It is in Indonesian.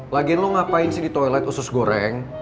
lagian lo ngapain sih di toilet usus goreng